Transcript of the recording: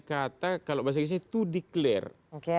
kata kalau bahasa inggrisnya itu declare